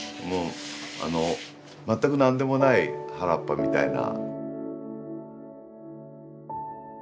この全く何でもない原っぱみたいな。